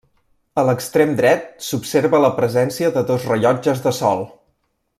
A l'extrem dret s'observa la presència de dos rellotges de sol.